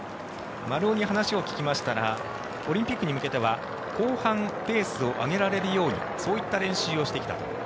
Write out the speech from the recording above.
丸尾に話を聞きましたらオリンピックに向けては後半、ペースを上げられるようにそういった練習をしてきたと。